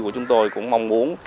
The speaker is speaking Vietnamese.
chúng tôi cũng mong muốn